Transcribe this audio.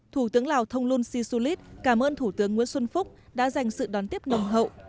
thủ tướng lào thông luân si su lít cảm ơn thủ tướng nguyễn xuân phúc đã dành sự đón tiếp nồng hậu